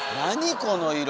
この色。